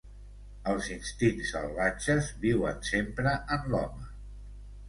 Els instints salvatges viuen sempre en l'home.